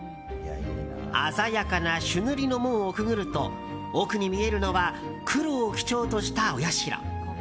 鮮やかな朱塗りの門をくぐると奥に見えるのは黒を基調とした、お社。